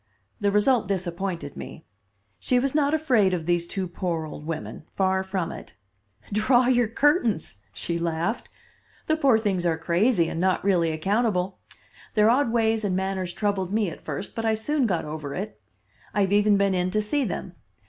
The result disappointed me; she was not afraid of these two poor old women. Far from it. "Draw your curtains," she laughed. "The poor things are crazy and not really accountable. Their odd ways and manners troubled me at first, but I soon got over it. I have even been in to see them.